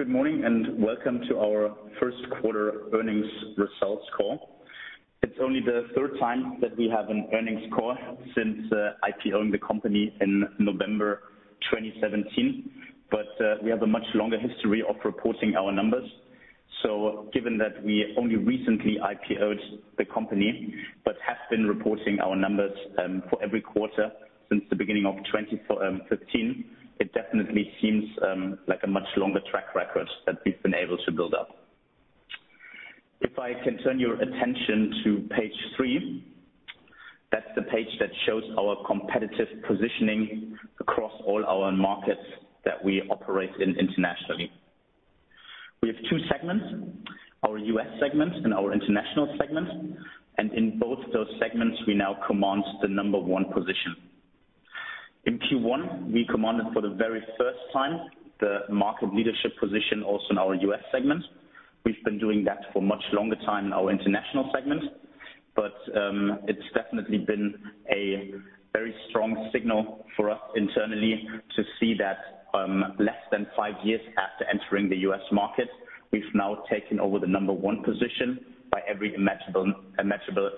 Good morning, welcome to our first quarter earnings results call. It's only the third time that we have an earnings call since IPO'ing the company in November 2017, but we have a much longer history of reporting our numbers. Given that we only recently IPO'd the company but have been reporting our numbers for every quarter since the beginning of 2015, it definitely seems like a much longer track record that we've been able to build up. If I can turn your attention to page three, that's the page that shows our competitive positioning across all our markets that we operate in internationally. We have two segments, our U.S. segment and our international segment, and in both those segments, we now command the number one position. In Q1, we commanded for the very first time the market leadership position also in our U.S. segment. We've been doing that for much longer time in our international segment. It's definitely been a very strong signal for us internally to see that less than five years after entering the U.S. market, we've now taken over the number one position by every measurable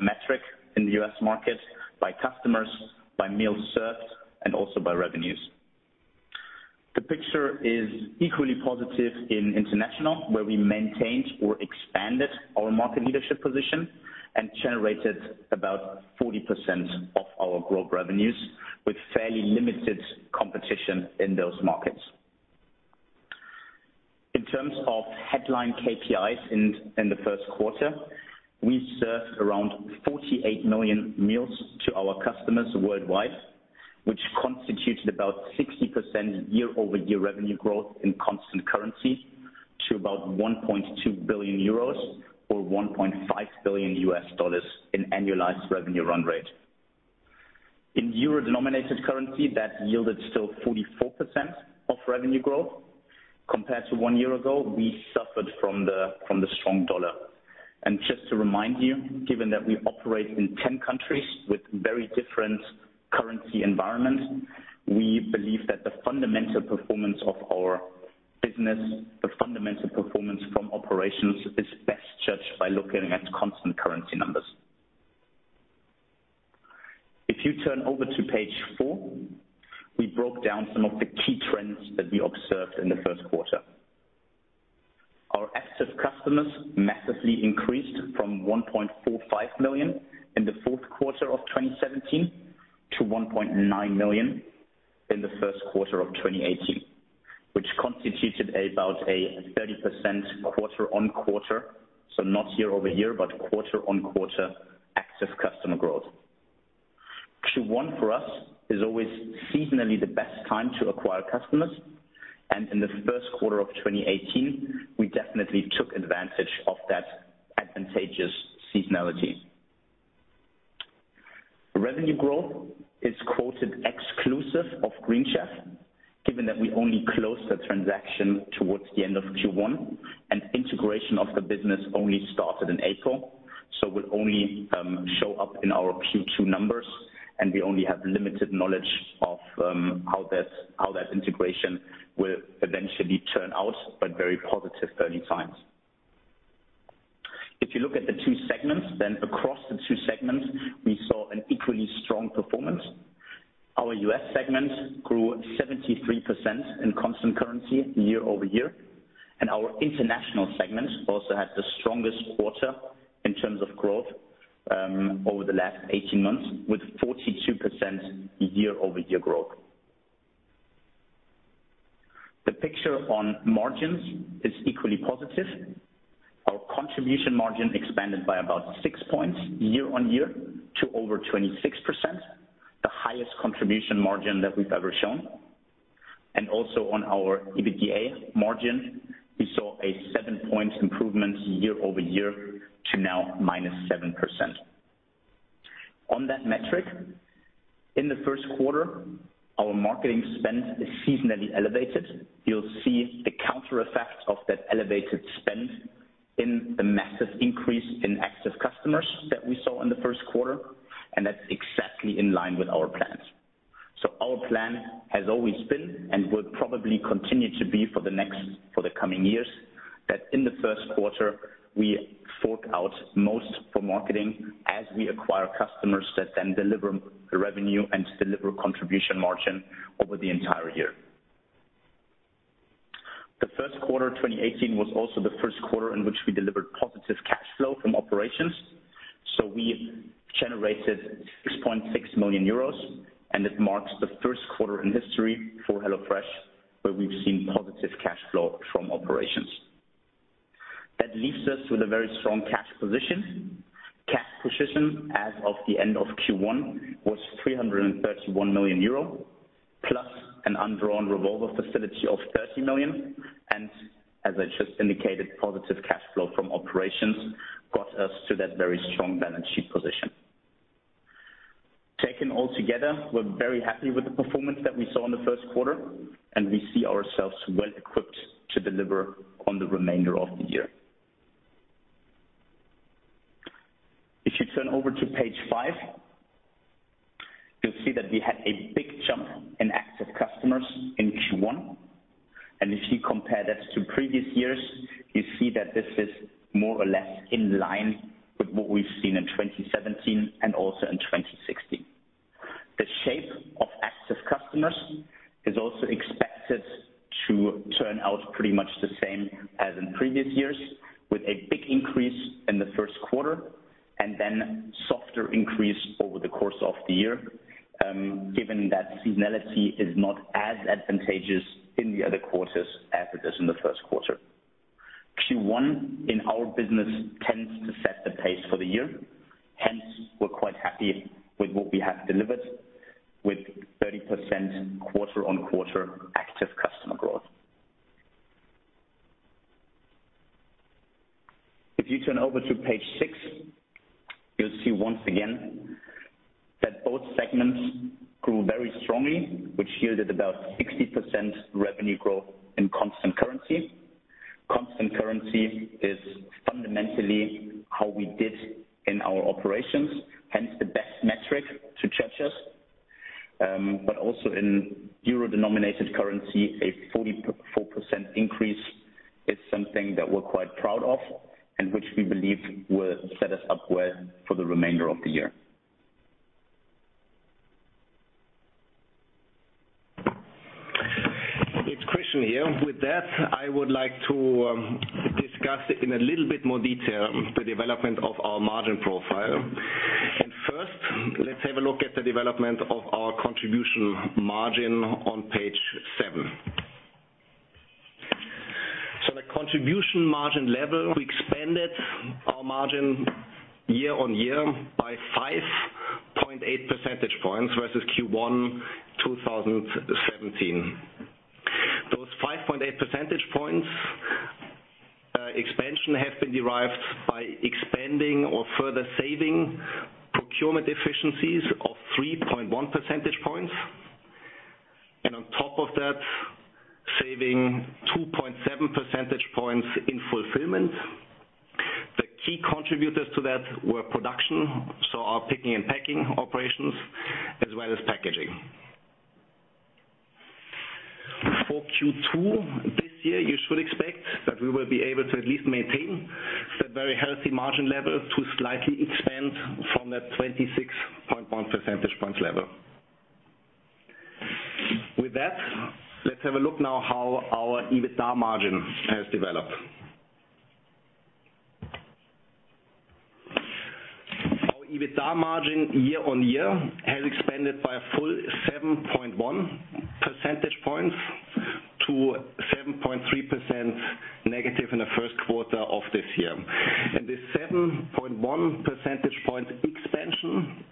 metric in the U.S. market, by customers, by meals served, and also by revenues. The picture is equally positive in international, where we maintained or expanded our market leadership position and generated about 40% of our growth revenues, with fairly limited competition in those markets. In terms of headline KPIs in the first quarter, we served around 48 million meals to our customers worldwide, which constituted about 60% year-over-year revenue growth in constant currency to about €1.2 billion or $1.5 billion U.S. in annualized revenue run rate. In euro-denominated currency, that yielded still 44% of revenue growth. Compared to one year ago, we suffered from the strong dollar. Just to remind you, given that we operate in 10 countries with very different currency environments, we believe that the fundamental performance of our business, the fundamental performance from operations, is best judged by looking at constant currency numbers. If you turn over to page four, we broke down some of the key trends that we observed in the first quarter. Our active customers massively increased from 1.45 million in the fourth quarter of 2017 to 1.9 million in the first quarter of 2018, which constituted about a 30% quarter-on-quarter, so not year-over-year, but quarter-on-quarter active customer growth. Q1 for us is always seasonally the best time to acquire customers, and in the first quarter of 2018, we definitely took advantage of that advantageous seasonality. Revenue growth is quoted exclusive of Green Chef, given that we only closed the transaction towards the end of Q1 and integration of the business only started in April, so will only show up in our Q2 numbers, and we only have limited knowledge of how that integration will eventually turn out, but very positive early signs. If you look at the two segments, across the two segments, we saw an equally strong performance. Our U.S. segment grew 73% in constant currency year-over-year, and our international segment also had the strongest quarter in terms of growth over the last 18 months with 42% year-over-year growth. The picture on margins is equally positive. Our contribution margin expanded by about six points year-on-year to over 26%, the highest contribution margin that we've ever shown. Also on our EBITDA margin, we saw a seven-point improvement year-over-year to now -7%. On that metric, in the first quarter, our marketing spend is seasonally elevated. You'll see the counter effect of that elevated spend in the massive increase in active customers that we saw in the first quarter, that's exactly in line with our plans. Our plan has always been, and will probably continue to be for the coming years, that in the first quarter, we fork out most for marketing as we acquire customers that then deliver revenue and deliver contribution margin over the entire year. The first quarter 2018 was also the first quarter in which we delivered positive cash flow from operations. We generated €6.6 million, and it marks the first quarter in history for HelloFresh where we've seen positive cash flow from operations. That leaves us with a very strong cash position. Cash position as of the end of Q1 was €331 million plus an undrawn revolver facility of €30 million. As I just indicated, positive cash flow from operations got us to that very strong balance sheet position. Taken all together, we're very happy with the performance that we saw in the first quarter, we see ourselves well equipped to deliver on the remainder of the year. To page five. You'll see that we had a big jump in active customers in Q1. If you compare that to previous years, you see that this is more or less in line with what we've seen in 2017 and also in 2016. The shape of active customers is also expected to turn out pretty much the same as in previous years, with a big increase in the first quarter, then softer increase over the course of the year, given that seasonality is not as advantageous in the other quarters as it is in the first quarter. Q1 in our business tends to set the pace for the year. Hence, we're quite happy with what we have delivered with 30% quarter-on-quarter active customer growth. If you turn over to page six, you'll see once again that both segments grew very strongly, which yielded about 60% revenue growth in constant currency. Constant currency is fundamentally how we did in our operations, hence the best metric to judge us. Also in euro-denominated currency, a 44% increase is something that we're quite proud of, which we believe will set us up well for the remainder of the year. It's Christian here. With that, I would like to discuss in a little bit more detail the development of our margin profile. First, let's have a look at the development of our contribution margin on page seven. The contribution margin level, we expanded our margin year-on-year by 5.8 percentage points, versus Q1 2017. Those 5.8 percentage points expansion have been derived by expanding or further saving procurement efficiencies of 3.1 percentage points. On top of that, saving 2.7 percentage points in fulfillment. The key contributors to that were production, so our picking and packing operations, as well as packaging. For Q2 this year, you should expect that we will be able to at least maintain that very healthy margin level to slightly expand from that 26 percentage points level. With that, let's have a look now how our EBITDA margin has developed. Our EBITDA margin year-on-year has expanded by a full 7.1 percentage points to 7.3% negative in the first quarter of this year. This 7.1 percentage point expansion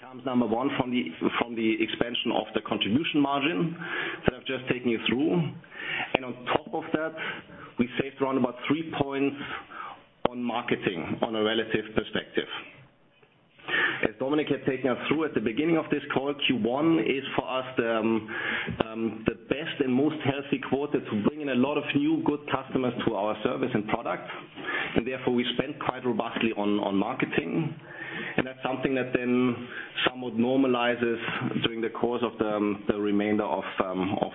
comes, number one, from the expansion of the contribution margin that I've just taken you through. On top of that, we saved around about three points on marketing on a relative perspective. As Dominik had taken us through at the beginning of this call, Q1 is for us the best and most healthy quarter to bring in a lot of new good customers to our service and product. Therefore, we spend quite robustly on marketing. That's something that then somewhat normalizes during the course of the remainder of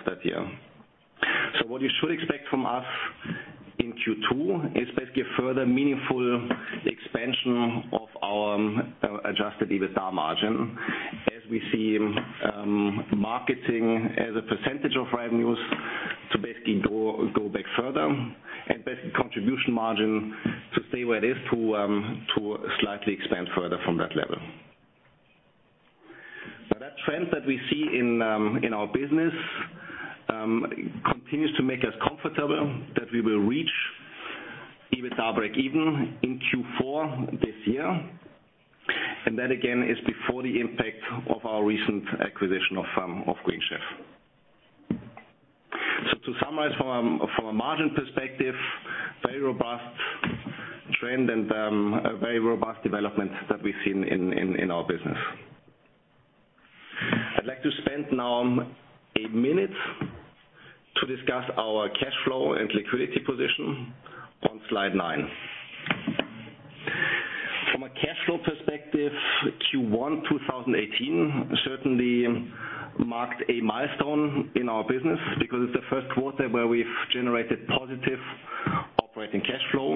that year. What you should expect from us in Q2 is basically a further meaningful expansion of our adjusted EBITDA margin as we see marketing as a percentage of revenues to basically go back further and basically contribution margin to stay where it is to slightly expand further from that level. That trend that we see in our business continues to make us comfortable that we will reach EBITDA breakeven in Q4 this year. That again, is before the impact of our recent acquisition of Green Chef. To summarize from a margin perspective, very robust trend and very robust development that we've seen in our business. I'd like to spend now a minute to discuss our cash flow and liquidity position on slide nine. From a cash flow perspective, Q1 2018 certainly marked a milestone in our business because it's the first quarter where we've generated positive operating cash flow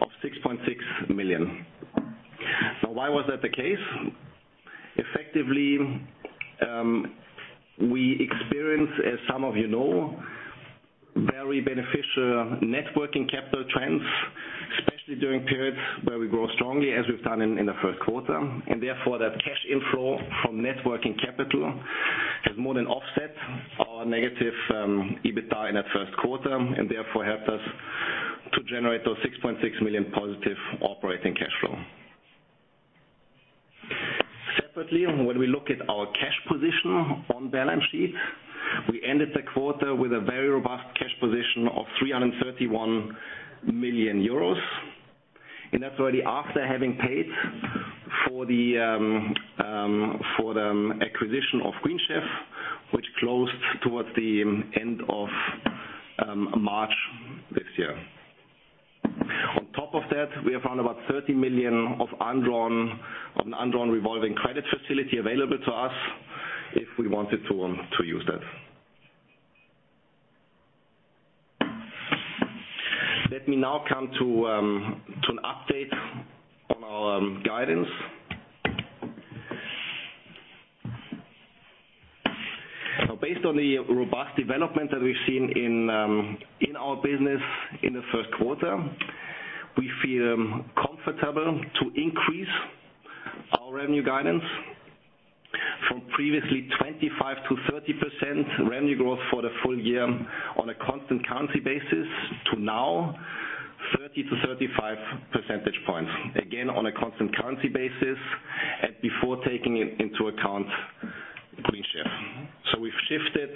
of 6.6 million. Why was that the case? Effectively, we experienced, as some of you know, very beneficial net working capital trends, especially during periods where we grow strongly as we've done in the first quarter. Therefore, that cash inflow from net working capital has more than offset our negative EBITDA in that first quarter, and therefore helped us to generate those 6.6 million positive operating cash flow. Separately, when we look at our cash position on the balance sheet, we ended the quarter with a very robust cash position of 331 million euros. That's already after having paid for the acquisition of Green Chef Which closed towards the end of March this year. On top of that, we have around 30 million of undrawn on an undrawn revolving credit facility available to us if we wanted to use that. Let me now come to an update on our guidance. Based on the robust development that we've seen in our business in the first quarter, we feel comfortable to increase our revenue guidance from previously 25%-30% revenue growth for the full year on a constant currency basis to now 30%-35 percentage points. Again, on a constant currency basis and before taking into account Green Chef. We've shifted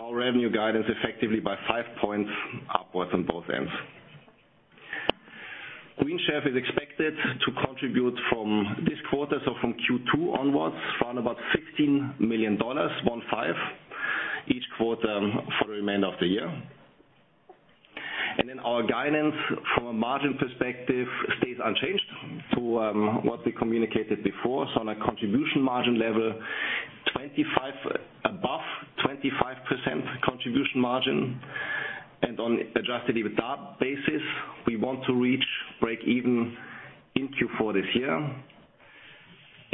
our revenue guidance effectively by five points upwards on both ends. Green Chef is expected to contribute from this quarter, so from Q2 onwards, around $15 million each quarter for the remainder of the year. Our guidance from a margin perspective stays unchanged to what we communicated before. On a contribution margin level, above 25% contribution margin, and on adjusted EBITDA basis, we want to reach break-even in Q4 this year.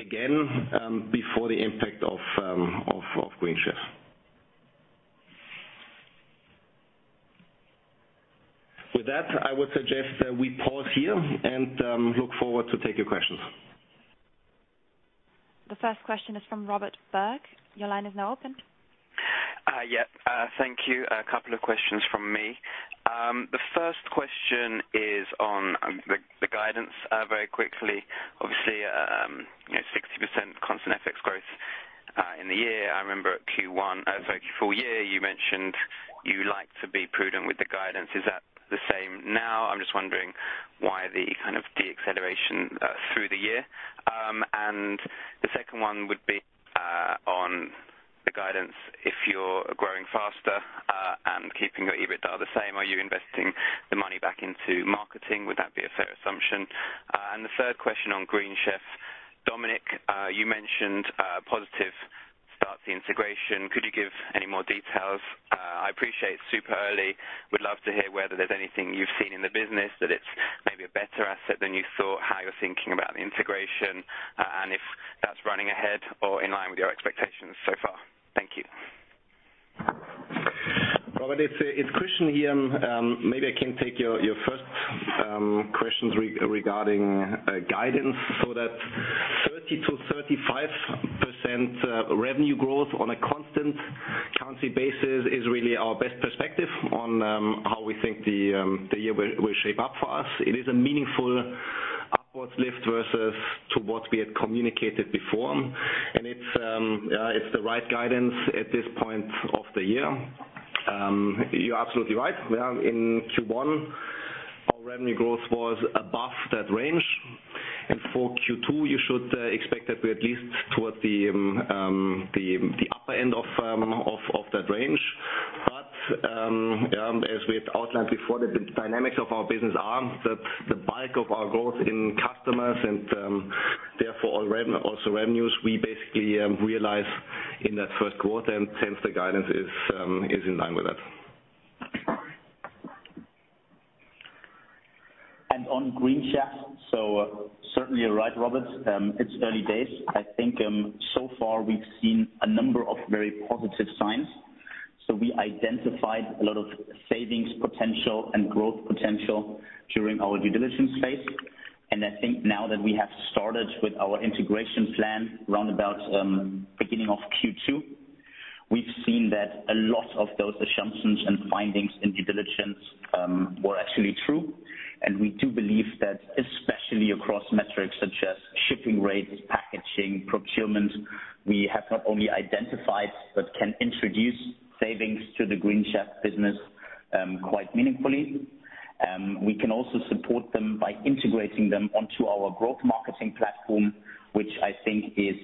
Again, before the impact of Green Chef. With that, I would suggest that we pause here and look forward to take your questions. The first question is from Robert Berg. Your line is now open. Yeah. Thank you. A couple of questions from me. The first question is on the guidance, very quickly. Obviously, 60% constant FX growth in the year. I remember Q1, sorry, Q4 year, you mentioned you like to be prudent with the guidance. Is that the same now? I'm just wondering why the kind of deacceleration through the year. The second one would be on the guidance, if you're growing faster and keeping your EBITDA the same, are you investing the money back into marketing? Would that be a fair assumption? The third question on Green Chef. Dominik, you mentioned a positive start to the integration. Could you give any more details? I appreciate it's super early. Would love to hear whether there's anything you've seen in the business, that it's maybe a better asset than you thought, how you're thinking about the integration, and if that's running ahead or in line with your expectations so far. Thank you. Robert, it's Christian here. Maybe I can take your first questions regarding guidance. That 30%-35% revenue growth on a constant currency basis is really our best perspective on how we think the year will shape up for us. It is a meaningful upwards lift versus to what we had communicated before. It's the right guidance at this point of the year. You're absolutely right. In Q1, our revenue growth was above that range. For Q2, you should expect that we're at least towards the upper end of that range. As we have outlined before, the dynamics of our business are that the bulk of our growth in customers and, therefore, also revenues, we basically realize in that first quarter, and hence the guidance is in line with that. On Green Chef, certainly you're right, Robert. It's early days. I think so far we've seen a number of very positive signs. We identified a lot of savings potential and growth potential during our due diligence phase. I think now that we have started with our integration plan round about beginning of Q2, we've seen that a lot of those assumptions and findings in due diligence were actually true. We do believe that especially across metrics such as shipping rates, packaging, procurement, we have not only identified but can introduce savings to the Green Chef business quite meaningfully. We can also support them by integrating them onto our growth marketing platform, which I think is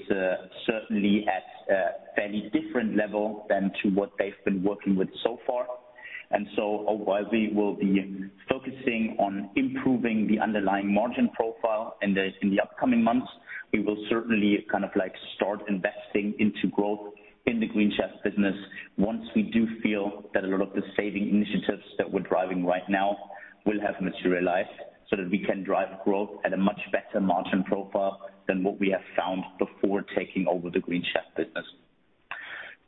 certainly at a fairly different level than to what they've been working with so far. While we will be focusing on improving the underlying margin profile in the upcoming months, we will certainly start investing into growth in the Green Chef business once we do feel that a lot of the saving initiatives that we're driving right now will have materialized so that we can drive growth at a much better margin profile than what we have found before taking over the Green Chef business.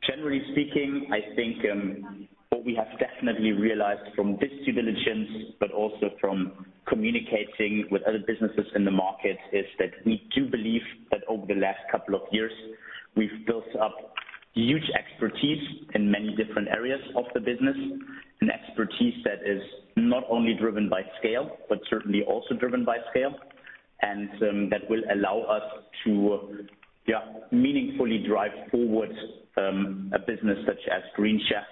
Generally speaking, I think what we have definitely realized from this due diligence, but also from communicating with other businesses in the market, is that we do believe that over the last couple of years, we've built up huge expertise in many different areas of the business. An expertise that is not only driven by scale, but certainly also driven by scale, and that will allow us to meaningfully drive forward a business such as Green Chef.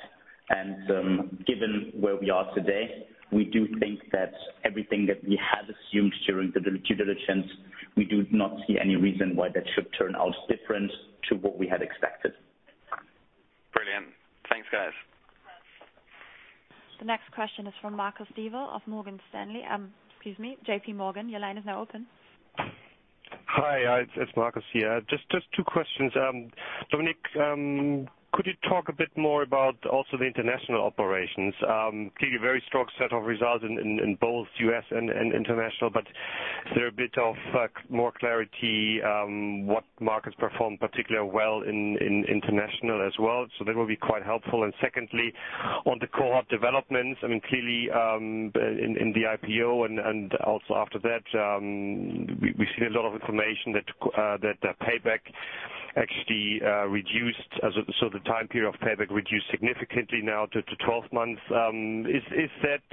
Given where we are today, we do think that everything that we had assumed during the due diligence, we do not see any reason why that should turn out different to what we had expected. Brilliant. Thanks, guys. The next question is from Marcus Diehl of Morgan Stanley. Excuse me, JPMorgan. Your line is now open. Hi, it's Marcus here. Just two questions. Dominik, could you talk a bit more about also the international operations? Clearly, a very strong set of results in both U.S. and international, but is there a bit of more clarity what markets performed particularly well in international as well? That would be quite helpful. Secondly, on the cohort developments, clearly, in the IPO and also after that, we see a lot of information that the payback actually reduced. The time period of payback reduced significantly now to 12 months. Is that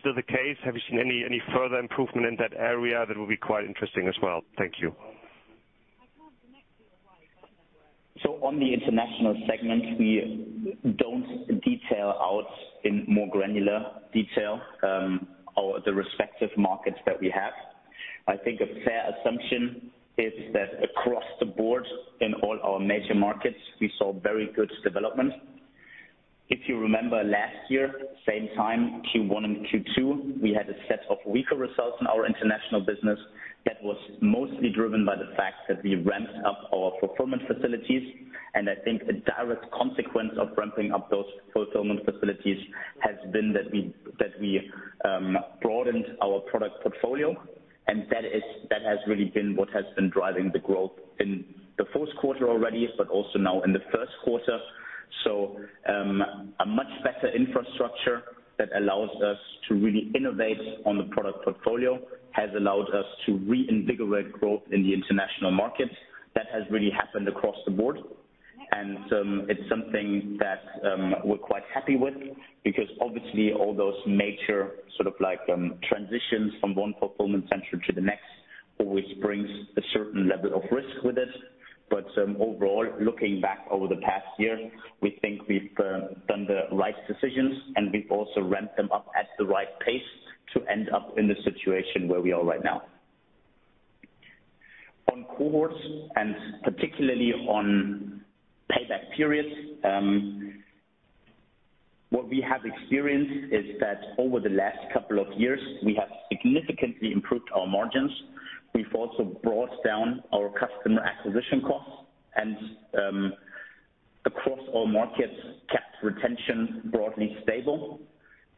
still the case? Have you seen any further improvement in that area? That would be quite interesting as well. Thank you. On the international segment, we don't detail out in more granular detail the respective markets that we have. I think a fair assumption is that across the board in all our major markets, we saw very good development. If you remember last year, same time, Q1 and Q2, we had a set of weaker results in our international business that was mostly driven by the fact that we ramped up our fulfillment facilities. I think a direct consequence of ramping up those fulfillment facilities has been that we broadened our product portfolio. That has really been what has been driving the growth in the fourth quarter already, but also now in the first quarter. A much better infrastructure that allows us to really innovate on the product portfolio has allowed us to reinvigorate growth in the international markets. That has really happened across the board. It's something that we're quite happy with because obviously all those major transitions from one fulfillment center to the next always brings a certain level of risk with it. Overall, looking back over the past year, we think we've done the right decisions, and we've also ramped them up at the right pace to end up in the situation where we are right now. On cohorts, and particularly on payback periods, what we have experienced is that over the last couple of years, we have significantly improved our margins. We've also brought down our customer acquisition costs and, across all markets, kept retention broadly stable.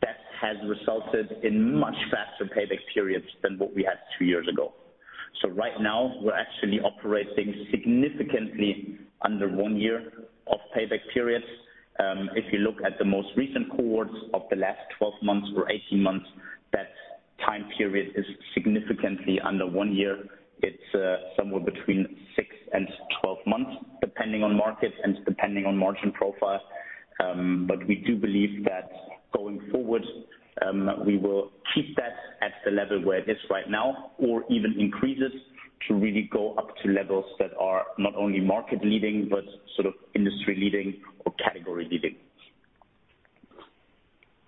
That has resulted in much faster payback periods than what we had two years ago. Right now, we're actually operating significantly under one year of payback periods. If you look at the most recent cohorts of the last 12 months or 18 months, that time period is significantly under one year. It's somewhere between six and 12 months, depending on markets and depending on margin profile. We do believe that going forward, we will keep that at the level where it is right now or even increase it to really go up to levels that are not only market leading but industry leading or category leading.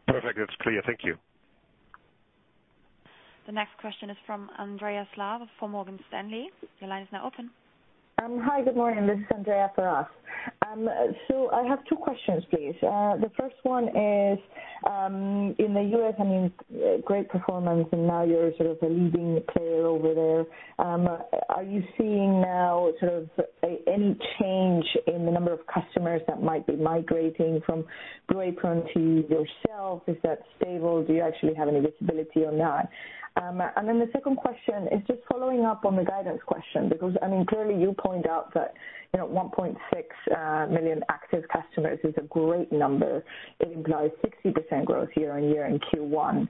Perfect. That's clear. Thank you. The next question is from Andrea Slaw for Morgan Stanley. Your line is now open. Hi, good morning. This is Andrea Slaw. I have two questions, please. The first one is, in the U.S., great performance, and now you're sort of a leading player over there. Are you seeing now any change in the number of customers that might be migrating from Blue Apron to yourself? Is that stable? Do you actually have any visibility on that? The second question is just following up on the guidance question, because clearly you point out that 1.9 million active customers is a great number. It implies 60% growth year-over-year in Q1.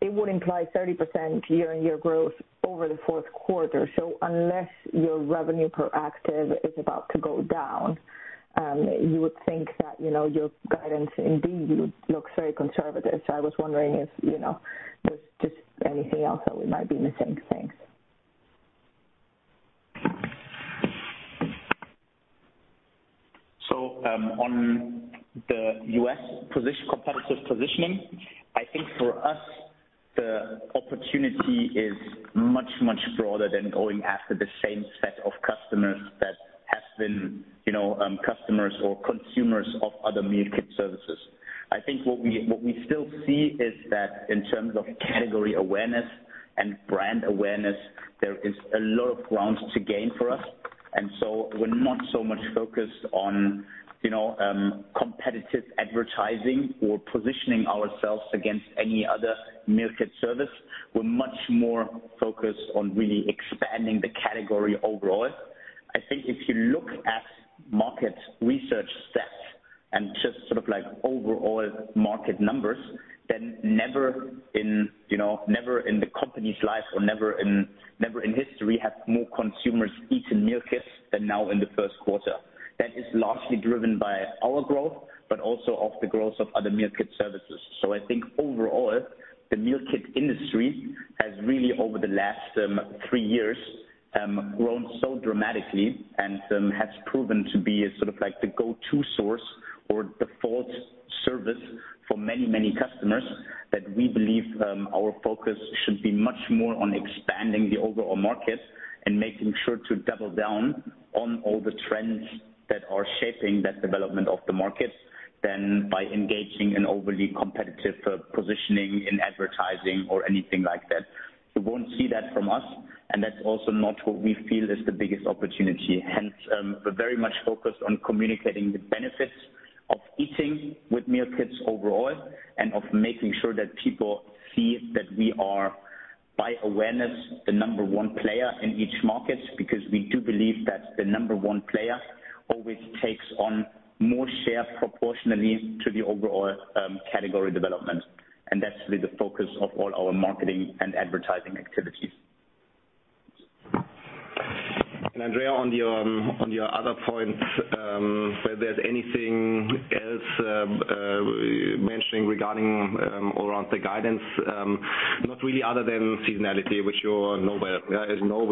It would imply 30% year-over-year growth over the fourth quarter. Unless your revenue per active is about to go down, you would think that your guidance indeed looks very conservative. I was wondering if there's just anything else that we might be missing. Thanks. On the U.S. competitive positioning, I think for us, the opportunity is much, much broader than going after the same set of customers that have been customers or consumers of other meal kit services. I think what we still see is that in terms of category awareness and brand awareness, there is a lot of ground to gain for us. We're not so much focused on competitive advertising or positioning ourselves against any other meal kit service. We're much more focused on really expanding the category overall. I think if you look at market research sets and just overall market numbers, never in the company's life or never in history have more consumers eaten meal kits than now in the first quarter. That is largely driven by our growth, but also of the growth of other meal kit services. I think overall, the meal kit industry has really, over the last three years has grown so dramatically and has proven to be the go-to source or default service for many customers, that we believe our focus should be much more on expanding the overall market and making sure to double down on all the trends that are shaping that development of the market than by engaging in overly competitive positioning in advertising or anything like that. You won't see that from us, and that's also not what we feel is the biggest opportunity. Hence, we're very much focused on communicating the benefits of eating with meal kits overall and of making sure that people see that we are, by awareness, the number one player in each market because we do believe that the number one player always takes on more share proportionally to the overall category development. That's really the focus of all our marketing and advertising activities. Andrea, on your other point where there's anything else mentioning regarding around the guidance, not really other than seasonality, which you know well. As you know,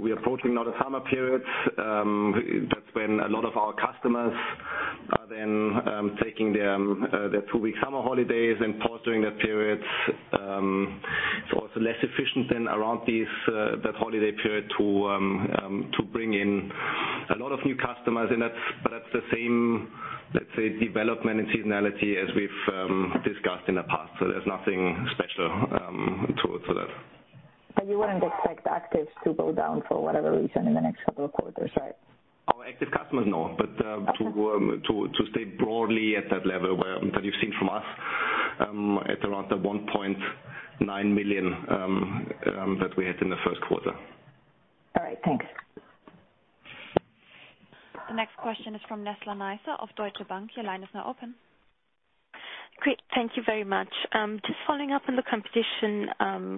we are approaching now the summer periods. That's when a lot of our customers are then taking their two-week summer holidays and pause during that period. It's also less efficient then around that holiday period to bring in a lot of new customers but that's the same, let's say, development and seasonality as we've discussed in the past. There's nothing special to that. You wouldn't expect actives to go down for whatever reason in the next couple of quarters, right? Our active customers, no. To stay broadly at that level that you've seen from us at around the 1.9 million that we had in the first quarter. All right, thanks. The next question is from Nizla Naizer of Deutsche Bank. Your line is now open. Great. Thank you very much. Just following up on the competition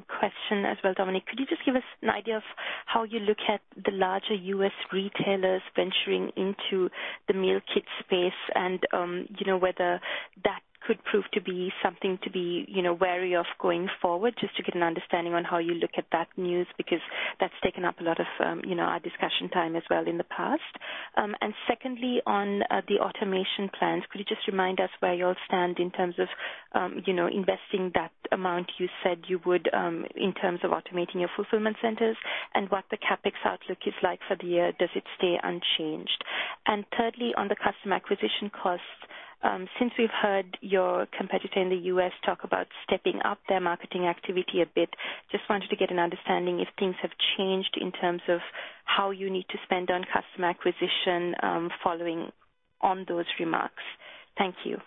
question as well, Dominik, could you just give us an idea of how you look at the larger U.S. retailers venturing into the meal kit space and whether that could prove to be something to be wary of going forward, just to get an understanding on how you look at that news, because that's taken up a lot of our discussion time as well in the past. Secondly, on the automation plans, could you just remind us where you all stand in terms of investing that amount you said you would in terms of automating your fulfillment centers and what the CapEx outlook is like for the year? Does it stay unchanged? Thirdly, on the customer acquisition costs, since we've heard your competitor in the U.S. talk about stepping up their marketing activity a bit, just wanted to get an understanding if things have changed in terms of how you need to spend on customer acquisition following on those remarks. Thank you.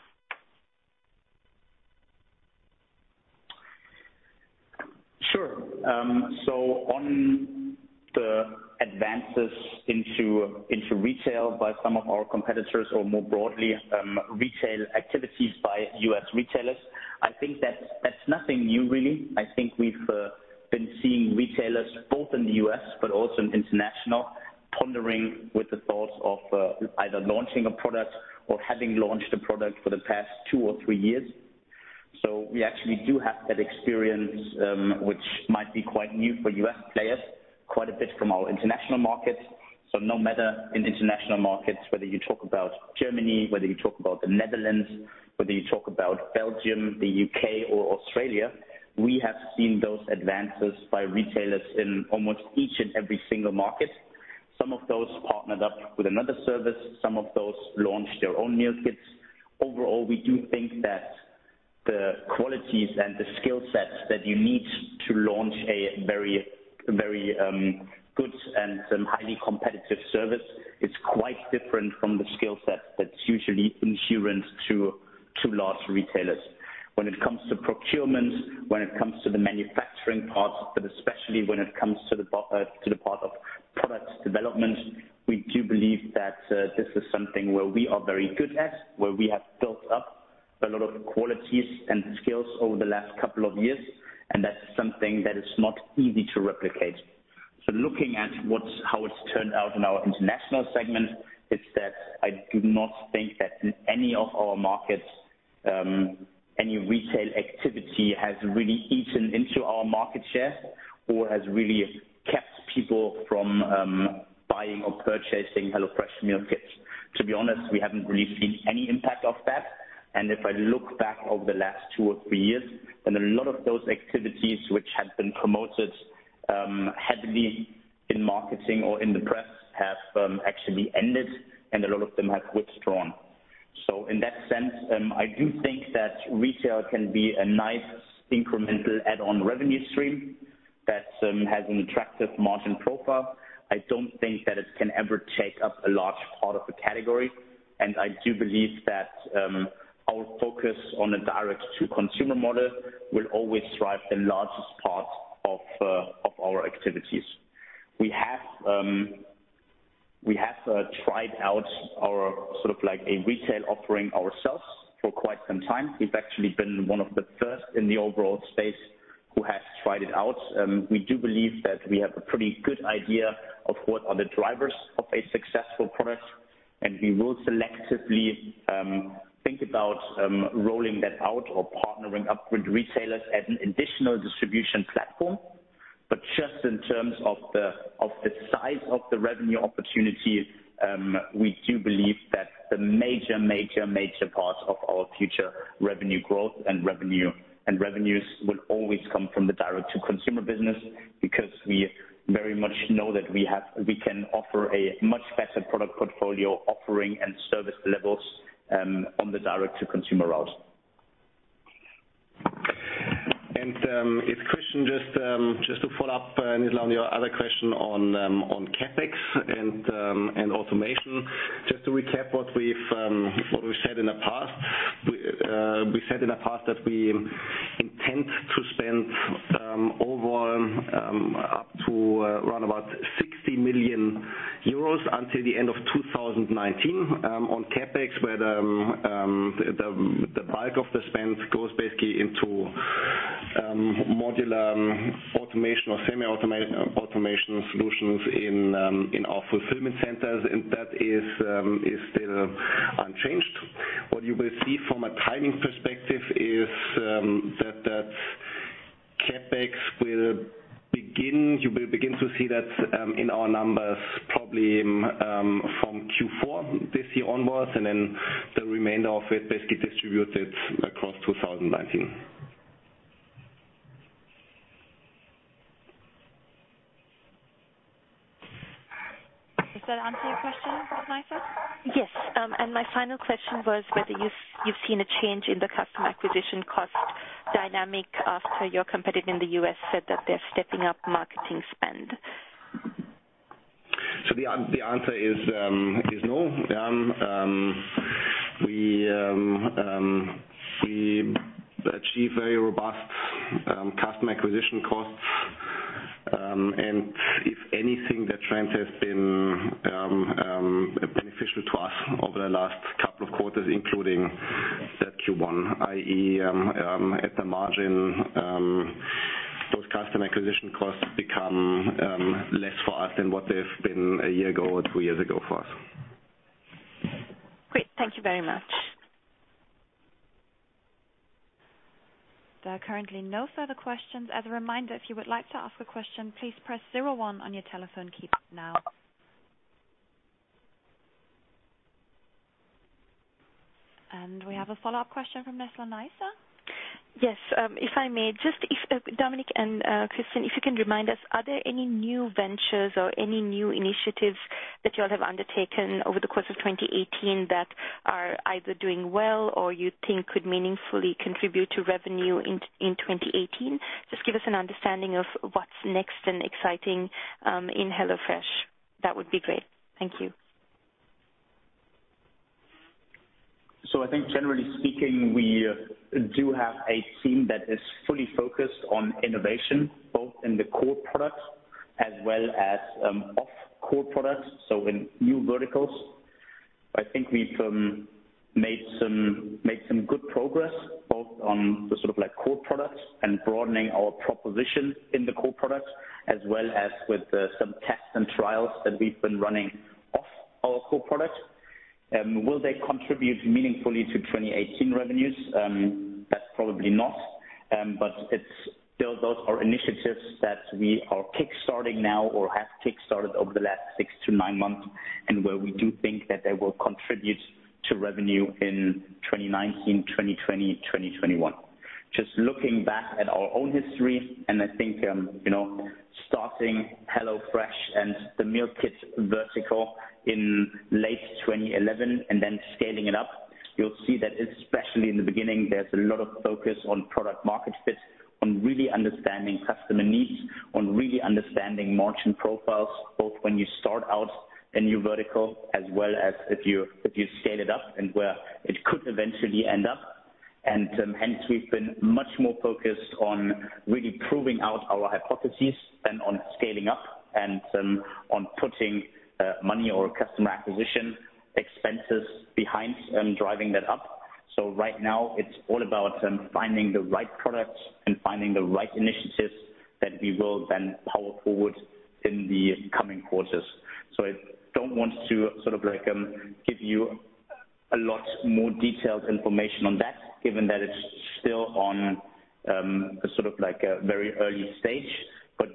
Sure. On the advances into retail by some of our competitors or more broadly retail activities by U.S. retailers, I think that's nothing new really. I think we've been seeing retailers both in the U.S. but also in international pondering with the thoughts of either launching a product or having launched a product for the past two or three years. We actually do have that experience which might be quite new for U.S. players, quite a bit from our international markets. No matter in international markets, whether you talk about Germany, whether you talk about the Netherlands, whether you talk about Belgium, the U.K. or Australia, we have seen those advances by retailers in almost each and every single market. Some of those partnered up with another service, some of those launched their own meal kits. Overall, we do think that the qualities and the skill sets that you need to launch a very good and highly competitive service is quite different from the skill set that's usually inherent to large retailers. When it comes to procurement, when it comes to the manufacturing parts, but especially when it comes to the part of product development, we do believe that this is something where we are very good at, where we have built up a lot of qualities and skills over the last couple of years, and that is something that is not easy to replicate. Looking at how it's turned out in our international segment, it's that I do not think that in any of our markets any retail activity has really eaten into our market share or has really kept people from buying or purchasing HelloFresh meal kits. To be honest, we haven't really seen any impact of that and if I look back over the last two or three years, then a lot of those activities which had been promoted heavily in marketing or in the press have actually ended and a lot of them have withdrawn. In that sense, I do think that retail can be a nice incremental add-on revenue stream that has an attractive margin profile. I don't think that it can ever take up a large part of the category and I do believe that our focus on a direct-to-consumer model will always drive the largest part of our activities. We have tried out our retail offering ourselves for quite some time. We've actually been one of the first in the overall space who has tried it out. We do believe that we have a pretty good idea of what are the drivers of a successful product. We will selectively think about rolling that out or partnering up with retailers as an additional distribution platform. Just in terms of the size of the revenue opportunity, we do believe that the major part of our future revenue growth and revenues will always come from the direct-to-consumer business, because we very much know that we can offer a much better product portfolio offering and service levels on the direct-to-consumer route. It's Christian. Just to follow up on your other question on CapEx and automation. Just to recap what we've said in the past. We said in the past that we intend to spend over up to around about 60 million euros until the end of 2019 on CapEx, where the bulk of the spend goes basically into modular automation or semi-automation solutions in our fulfillment centers and that is still unchanged. What you will see from a timing perspective is that CapEx you will begin to see that in our numbers probably from Q4 this year onwards, then the remainder of it basically distributed across 2019. Does that answer your question, Nizla Naizer? Yes. My final question was whether you've seen a change in the customer acquisition costs dynamic after your competitor in the U.S. said that they're stepping up marketing spend. The answer is no. We achieve very robust customer acquisition costs. If anything, that trend has been beneficial to us over the last couple of quarters, including that Q1, i.e., at the margin, those customer acquisition costs become less for us than what they've been a year ago or two years ago for us. Great. Thank you very much. There are currently no further questions. As a reminder, if you would like to ask a question, please press zero one on your telephone keypad now. We have a follow-up question from Nizla Naizer. Yes. If I may, just if Dominik and Christian, if you can remind us, are there any new ventures or any new initiatives that y'all have undertaken over the course of 2018 that are either doing well or you think could meaningfully contribute to revenue in 2018? Just give us an understanding of what's next and exciting in HelloFresh. That would be great. Thank you. I think generally speaking, we do have a team that is fully focused on innovation, both in the core products as well as off core products, so in new verticals. I think we've made some good progress both on the core products and broadening our proposition in the core products, as well as with some tests and trials that we've been running off our core products. Will they contribute meaningfully to 2018 revenues? That's probably not. Still those are initiatives that we are kickstarting now or have kickstarted over the last six to nine months, and where we do think that they will contribute to revenue in 2019, 2020, 2021. Just looking back at our own history, I think starting HelloFresh and the meal kit vertical in late 2011 and then scaling it up, you'll see that especially in the beginning, there's a lot of focus on product market fit, on really understanding customer needs, on really understanding margin profiles, both when you start out a new vertical as well as if you scale it up and where it could eventually end up. Hence we've been much more focused on really proving out our hypothesis than on scaling up and on putting money or customer acquisition expenses behind driving that up. Right now it's all about finding the right products and finding the right initiatives that we will then power forward in the coming quarters. I don't want to give you a lot more detailed information on that, given that it's still on a very early stage.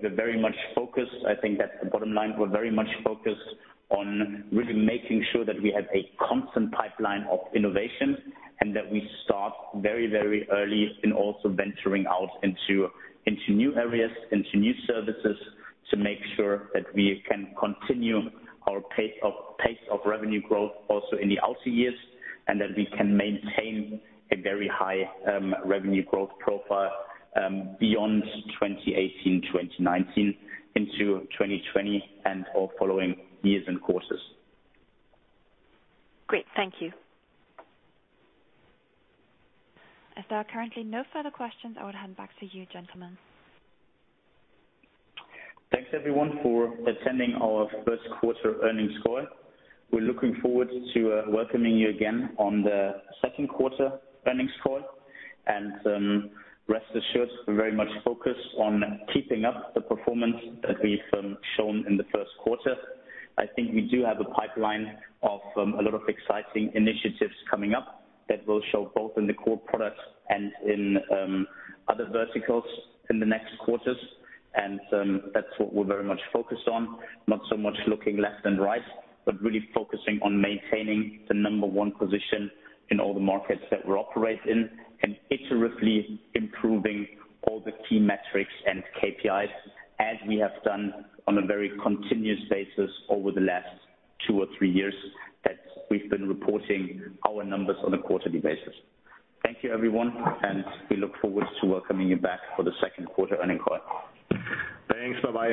We're very much focused. I think that's the bottom line. We're very much focused on really making sure that we have a constant pipeline of innovation and that we start very early in also venturing out into new areas, into new services to make sure that we can continue our pace of revenue growth also in the outer years, and that we can maintain a very high revenue growth profile beyond 2018, 2019 into 2020 and all following years and quarters. Great. Thank you. As there are currently no further questions, I would hand back to you, gentlemen. Thanks everyone for attending our first quarter earnings call. We're looking forward to welcoming you again on the second quarter earnings call. Rest assured, we're very much focused on keeping up the performance that we've shown in the first quarter. I think we do have a pipeline of a lot of exciting initiatives coming up that will show both in the core products and in other verticals in the next quarters. That's what we're very much focused on. Not so much looking left and right, but really focusing on maintaining the number one position in all the markets that we operate in, and iteratively improving all the key metrics and KPIs as we have done on a very continuous basis over the last two or three years that we've been reporting our numbers on a quarterly basis. Thank you everyone. We look forward to welcoming you back for the second quarter earnings call. Thanks. Bye-bye